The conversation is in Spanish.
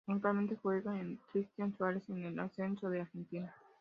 Actualmente juega en Tristan Suarez, en el ascenso de Argentina.